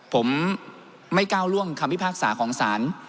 ผมไม่ก้าวล่วงคำพิพากษาของศาล